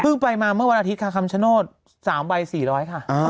ไปมาเมื่อวันอาทิตย์ค่ะคำชโนธ๓ใบ๔๐๐ค่ะ